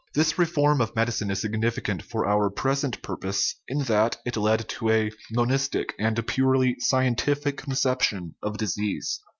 This reform of medicine is significant for our present purpose in that it led us to a monistic and purely scien tific conception of disease.